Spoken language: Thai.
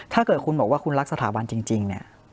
ถ้าเกิดคุณบอกว่าคุณรักสถาบันจริงเนี่ย